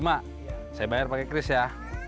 mak saya bayar pakai kris ya